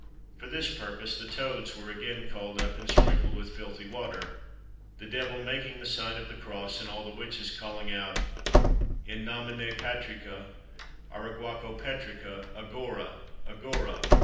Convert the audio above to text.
For this purpose, the toads were again called up, and sprinkled with filthy water; the devil making the sign of the cross, and all the witches calling out, "_In nomine Patricâ, Aragueaco Petrica, agora! agora!